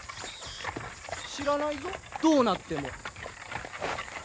知らないぞどうなっても。